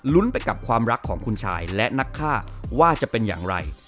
ไปกับความรักของคุณชายและนักฆ่าว่าจะเป็นอย่างไร